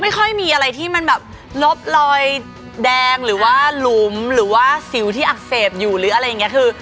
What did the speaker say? ไม่ค่อยมีอะไรที่มันแบบลบรอยแดงหรือว่าหลุมหรือว่าสิวที่อักเสบอยู่หรืออะไรอย่างนี้คือ